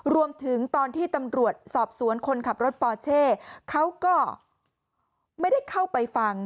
รวมถึงตอนที่ตำรวจสอบสวนคนขับรถปอเช่เขาก็ไม่ได้เข้าไปฟัง